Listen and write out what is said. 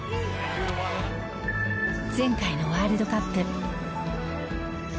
前回のワールドカップ。